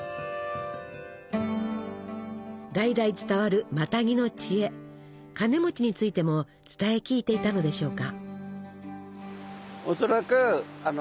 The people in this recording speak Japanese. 代々伝わるマタギの知恵カネについても伝え聞いていたのでしょうか。